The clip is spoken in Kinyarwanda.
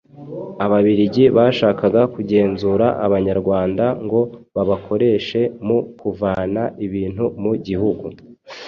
Ababiligi bashakaga kugenzura abanyarwanda ngo babakoreshe mu kuvana ibintu mu gihugu